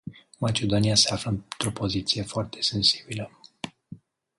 Macedonia se află într-o poziție foarte sensibilă.